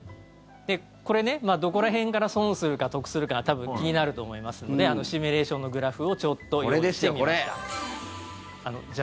これ、どこら辺から損するか得するか多分、気になると思いますのでシミュレーションのグラフをちょっと用意してきました。